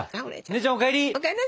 姉ちゃんお帰り！